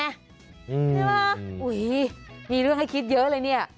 เฮ่ยตรงนี้มีเรื่องให้คิดเยอะเลย